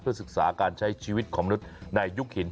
ศึกษาการใช้ชีวิตของมนุษย์ในยุคหิน